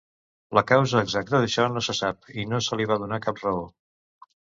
La causa exacta d'això no se sap, i no se li va donar cap raó.